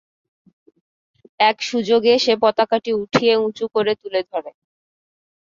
এক সুযোগে সে পতাকাটি উঠিয়ে উঁচু করে তুলে ধরে।